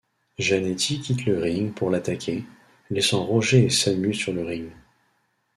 Jannetty quitte le ring pour l'attaquer, laissant Rogers et Samu sur le ring.